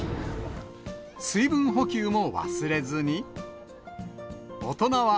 水分補給も忘れずに。